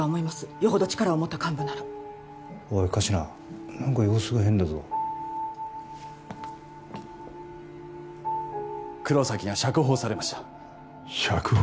よほど力を持った幹部ならおい神志名何か様子が変だぞ黒崎が釈放されました釈放？